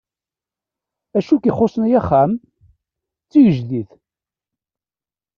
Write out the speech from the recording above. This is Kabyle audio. Acu k-ixuṣṣen ay axxam? D tigejdit.